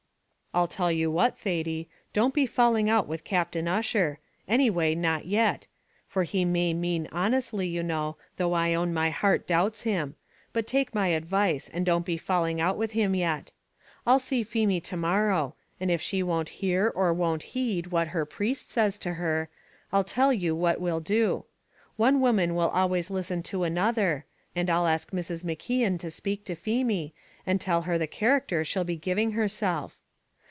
"I'll tell you what, Thady: don't be falling out with Captain Ussher any way, not yet for he may mean honestly, you know, though I own my heart doubts him; but take my advice, and don't be falling out with him yet. I'll see Feemy to morrow, and if she won't hear or won't heed what her priest says to her, I'll tell you what we'll do. One woman will always listen to another, and I'll ask Mrs. McKeon to speak to Feemy, and tell her the character she'll be giving herself.